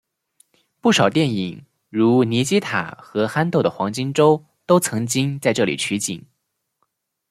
不少电影如尼基塔和憨豆的黄金周都曾经在这里取景。